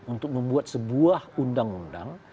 untuk membuat sebuah undang undang